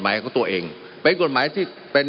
มันมีมาต่อเนื่องมีเหตุการณ์ที่ไม่เคยเกิดขึ้น